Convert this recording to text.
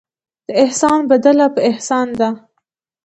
د احسان بدله په احسان ده.